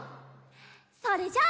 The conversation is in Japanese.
それじゃあ。